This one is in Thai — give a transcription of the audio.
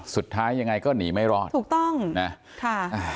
สุดท้ายยังไงก็หนีไม่รอดถูกต้องนะค่ะอ่า